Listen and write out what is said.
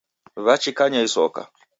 Wachikanya isoka.